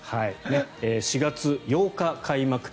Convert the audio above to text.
４月８日開幕。